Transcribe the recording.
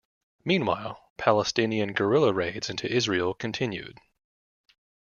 Meanwhile, Palestinian guerrilla raids into Israel continued.